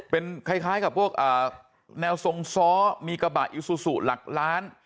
เป็นคล้ายกับพวกแนวทรงซ้อมีกระบะอิซูซูหลักล้าน